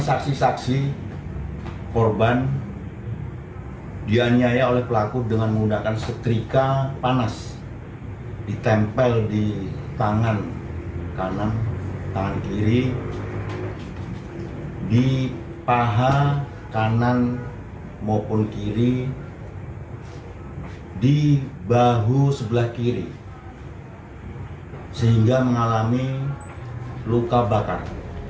saksi saksi korban dianiaya oleh pelaku dengan menggunakan setrika panas ditempel di tangan kiri di paha kanan maupun kiri di bahu sebelah kiri sehingga mengalami luka bakar